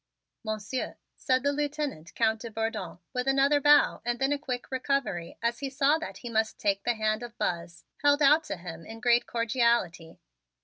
"Monsieur," said the Lieutenant, Count de Bourdon, with another bow and then a quick recovery as he saw that he must take the hand of Buzz, held out to him in great cordiality.